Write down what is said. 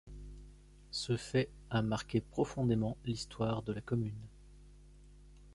Ce fait a marqué profondément l'histoire de la commune.